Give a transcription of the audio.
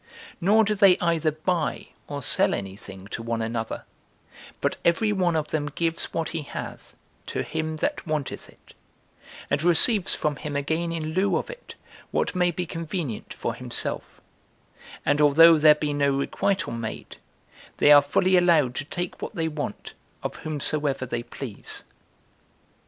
Nor do they either buy or sell any thing to one another; but every one of them gives what he hath to him that wanteth it, and receives from him again in lieu of it what may be convenient for himself; and although there be no requital made, they are fully allowed to take what they want of whomsoever they please.